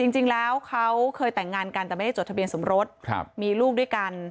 จริงแล้วเขาเคยแต่งงานกันแต่ไม่ได้จดทะเบียนสมรสมีลูกด้วยกัน